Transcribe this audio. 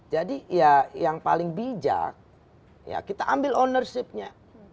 jadi ya yang paling bijak ya kita ambil ownership nya